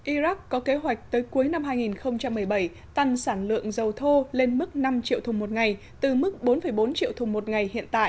iraq có kế hoạch tới cuối năm hai nghìn một mươi bảy tăng sản lượng dầu thô lên mức năm triệu thùng một ngày từ mức bốn bốn triệu thùng một ngày hiện tại